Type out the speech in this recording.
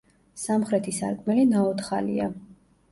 სამხრეთი სარკმელი ნაოთხალია.